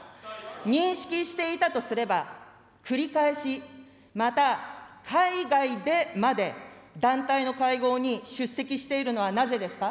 認識していたとすれば、繰り返し、また海外でまで、団体の会合に出席しているのはなぜですか。